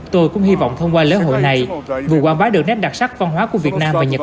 tôi cũng hy vọng thông qua lễ hội này vừa quảng bá được nét đặc sắc văn hóa của việt nam và nhật